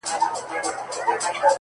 • نه د مشر ورور کوزده نه یې عیال وو ,